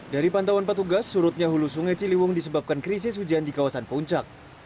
dari pantauan petugas surutnya hulu sungai ciliwung disebabkan krisis hujan di kawasan puncak